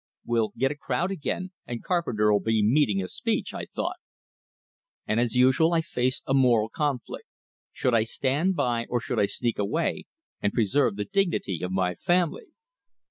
"We'll get a crowd again, and Carpenter 'll be making a speech," I thought; and as usual I faced a moral conflict. Should I stand by, or should I sneak away, and preserve the dignity of my family?